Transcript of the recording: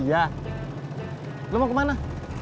iya lo mau kemana